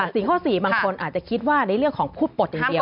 สิ่งข้อ๔บางคนอาจจะคิดว่าในเรื่องของพูดปลดอย่างเดียว